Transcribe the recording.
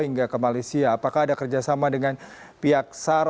hingga ke malaysia apakah ada kerjasama dengan pihak sar